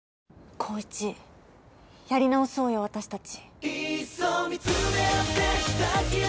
紘一やり直そうよ私たち。